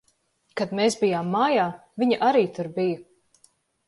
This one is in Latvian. Kad mēs bijām mājā, viņa arī tur bija.